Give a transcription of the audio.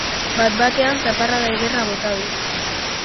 Bat-batean, zaparrada ederra bota du.